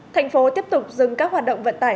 thành phố tiếp tục dừng các hoạt động vận tải